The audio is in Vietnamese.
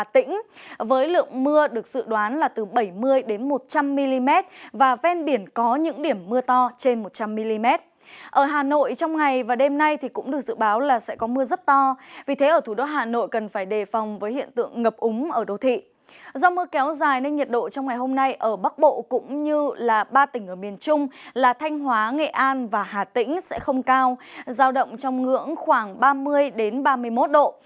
do mưa kéo dài nên nhiệt độ trong ngày hôm nay ở bắc bộ cũng như là ba tỉnh ở miền trung là thanh hóa nghệ an và hà tĩnh sẽ không cao giao động trong ngưỡng khoảng ba mươi ba mươi một độ